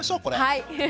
はい。